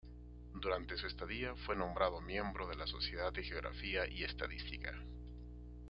Durante su estadía fue nombrado miembro de la sociedad de Geografía y Estadística.